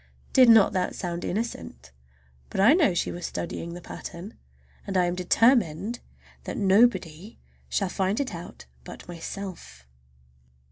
Did not that sound innocent? But I know she was studying that pattern, and I am determined that nobody shall find it out but myself!